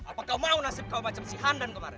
apa kau mau nasib kau macam si handan kemarin